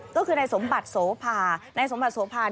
ก็คือไนสมบัติโสผา